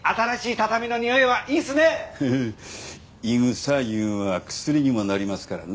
フフイグサいうんは薬にもなりますからな。